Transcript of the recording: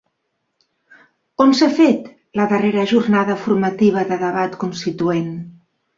On s'ha fet la darrera jornada formativa de Debat Constituent?